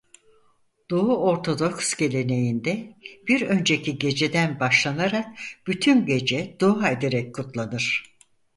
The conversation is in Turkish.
Doğu Ortodoks geleneğinde bir önceki geceden başlanarak bütün gece dua ederek kutlanır.